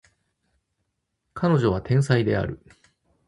彼女は天才である